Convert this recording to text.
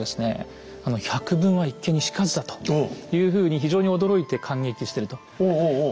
「百聞は一見に如ずだ」というふうに非常に驚いて感激してると。